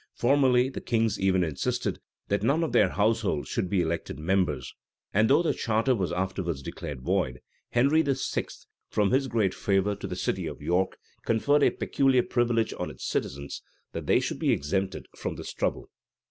Formerly the kings even insisted, that none of their household should be elected members; and though the charter was afterwards declared void, Henry VI., from his great favor to the city of York, conferred a peculiar privilege on its citizens, that they should be exempted from this trouble.